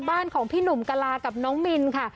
บ้านของพี่หนุ่มกะลากับน้องมินค่ะ